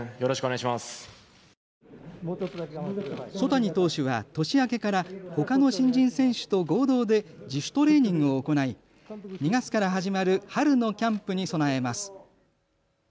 曽谷投手は年明けからほかの新人選手と合同で自主トレーニングを行い２月から始まる春のキャンプに備えます。